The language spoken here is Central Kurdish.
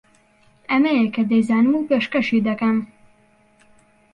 ئەمەیە کە دەیزانم و پێشکەشی دەکەم